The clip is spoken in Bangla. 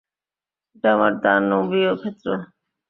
এটা আমার দানবীয় ক্ষেত্র।